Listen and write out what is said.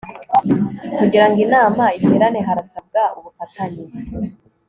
kugira ngo inama iterane harasabwa ubufatanye